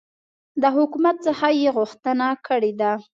د حکومت څخه یي غوښتنه کړې ده